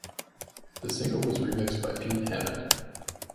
The single was remixed by Pete Hammond.